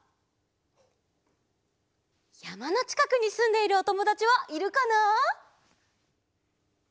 やまのちかくにすんでいるおともだちはいるかな？